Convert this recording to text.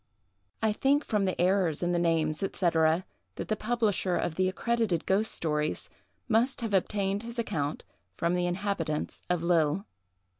"I think, from the errors in the names, &c., that the publisher of the 'Accredited Ghost Stories' must have obtained his account from the inhabitants of Lille."